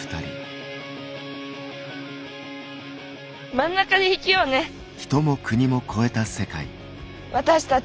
真ん中で生きようね私たち。